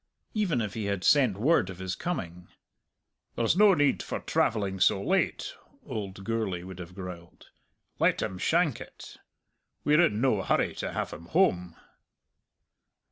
Even if he had sent word of his coming, "There's no need for travelling so late," old Gourlay would have growled; "let him shank it. We're in no hurry to have him home."